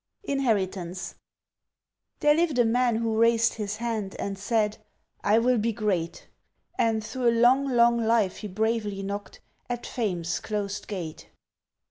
Inheritance THERE lived a man who raised his hand and said, "I will be great!" And through a long, long life he bravely knocked At Fame's closed gate.